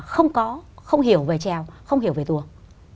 không có không hiểu về trèo không hiểu về tuồng